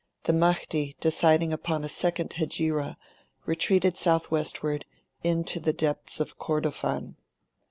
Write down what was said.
The Mahdi, deciding upon a second Hegira, retreated south westward, into the depths of Kordofan.